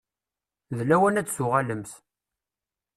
D lawan ad tuɣalemt.